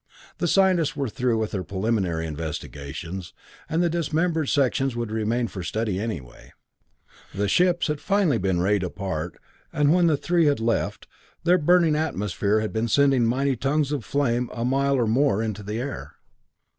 The scientists were through with their preliminary investigations. And the dismembered sections would remain for study, anyway. The ships had finally been rayed apart, and when the three had left, their burning atmosphere had been sending mighty tongues of flame a mile or more into the air.